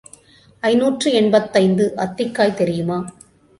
ஐநூற்று எண்பத்தைந்து அத்திக்காய் தெரியுமா?